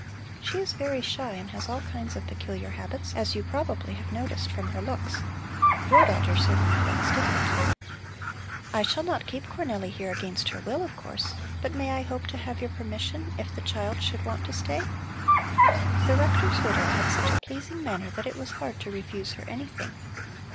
She is very shy and has all kinds of peculiar habits, as you probably have noticed from her looks. Your daughter certainly looks different." "I shall not keep Cornelli here against her will, of course, but may I hope to have your permission if the child should want to stay?" The rector's widow had such a pleasing manner that it was hard to refuse her anything.